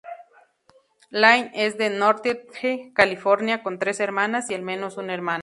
Lynn es de Northridge, California, con tres hermanas y al menos un hermano.